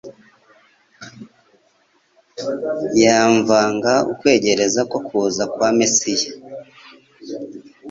yahamvaga ukwegereza ko kuza kwa Mesiya.